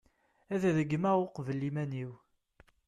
ad regmeɣ uqbel iman-iw